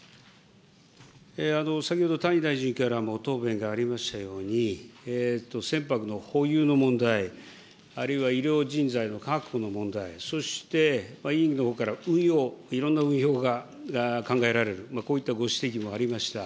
先ほど、谷大臣からも答弁がありましたように、船舶の保有の問題、あるいは医療人材の確保の問題、そして委員のほうから運用、いろんな運用が考えられる、こういったご指摘もありました。